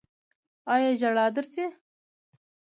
ایا ژړا درځي؟